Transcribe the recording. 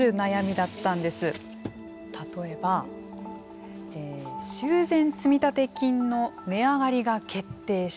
例えば修繕積立金の値上がりが決定したと。